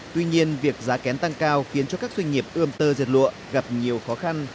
tuy nhiên việc giá kén tăng cao khiến cho các doanh nghiệp ươm tơ dệt lụa gặp nhiều khó khăn